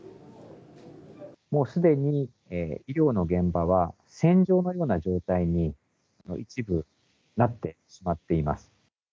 もうすでに医療の現場は戦場のような状態に、一部なってしまっています。